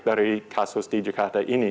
dari kasus di jakarta ini